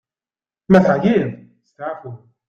Ma teεyiḍ, steεfu!